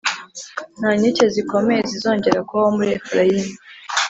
Nta nkike zikomeye zizongera kubaho muri Efurayimu,